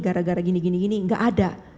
gara gara gini gini nggak ada